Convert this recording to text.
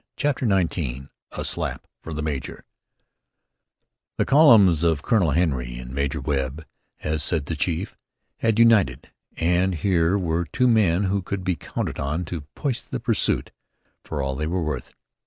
CHAPTER XIX A SLAP FOR THE MAJOR The columns of Colonel Henry and Major Webb, as said "the Chief," had united, and here were two men who could be counted on to push the pursuit "for all they were worth."